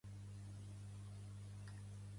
Pertany al moviment independentista el Terenci?